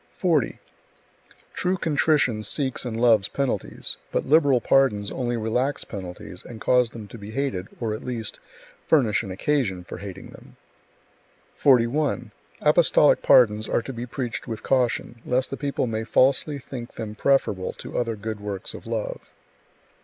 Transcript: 40. True contrition seeks and loves penalties, but liberal pardons only relax penalties and cause them to be hated, or at least, furnish an occasion [for hating them]. 41. Apostolic pardons are to be preached with caution, lest the people may falsely think them preferable to other good works of love.